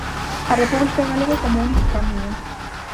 A república galega como único camiño.